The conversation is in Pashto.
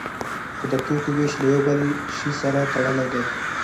خو د توکو ویش له یو بل شی سره تړلی دی.